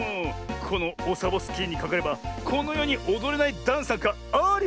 このオサボスキーにかかればこのよにおどれないダンスなんかありませんからね。